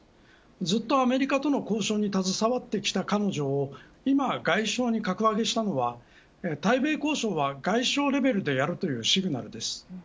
ずっとアメリカとの交渉に携わってきた彼女を外相に格上げしたのは対米交渉は外相レベルでやるというシグナルです。